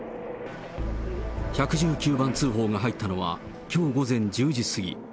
１１９番通報が入ったのは、きょう午前１０時過ぎ。